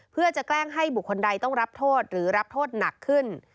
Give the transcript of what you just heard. เพื่อจะแกล้งให้บุคคลใดต้องรับโทษหรือรับโทษหนักขึ้น